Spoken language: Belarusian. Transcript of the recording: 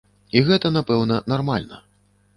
І гэта, напэўна, нармальна.